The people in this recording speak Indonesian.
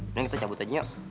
mending kita cabut aja nyok